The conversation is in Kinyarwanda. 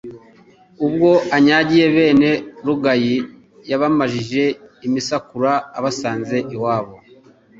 Ubwo anyagiye bene Rugayi, yabamajije imisakura abasanze iwabo;